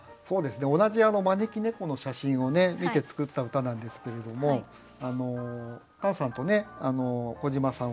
同じ招き猫の写真を見て作った歌なんですけれどもカンさんと小島さんは飲んじゃうと。